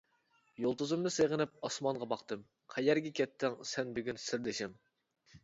يۇلتۇزۇمنى سېغىنىپ ئاسمانغا باقتىم، قەيەرگە كەتتىڭ سەن بۈگۈن سىردىشىم؟ !